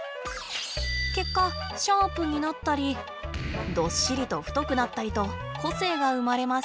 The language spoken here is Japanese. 結果シャープになったりどっしりと太くなったりと個性が生まれます。